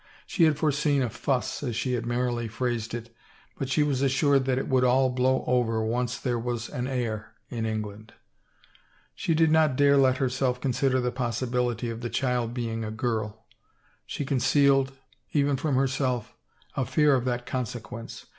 She had foreseen a " fuss " as she had merrily phrased it but she was as sured that it would all blow over once there was an heir in England. She did not dare let herself consider the possibility of the child being a girl. She concealed, even from herself, a fear of that consequence.